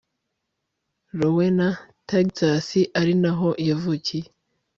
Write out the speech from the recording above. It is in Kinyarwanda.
rowena, texas, ari naho yavukiye